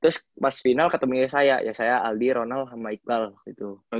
terus pas final ketemu saya ya saya aldi ronald sama iqbal gitu